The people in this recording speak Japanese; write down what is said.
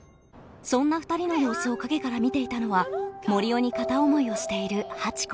そんな２人の様子を陰から見ていたのは森生に片思いをしているハチ子